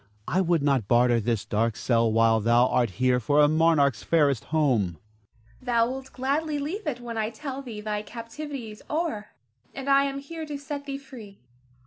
I would not barter this dark cell while thou art here for a monarch's fairest home. Zara. Thou wilt gladly leave it when I tell thee thy captivity is o'er, and I am here to set thee free.